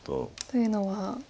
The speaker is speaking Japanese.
というのは。